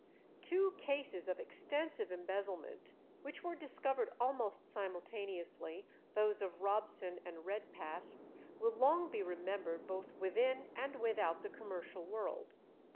Two cases of extensive embezzlement which were discovered almost simultaneously, those of Robson and Redpath, will long be remembered both within and without the commercial world.